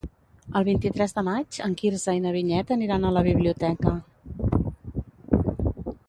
El vint-i-tres de maig en Quirze i na Vinyet aniran a la biblioteca.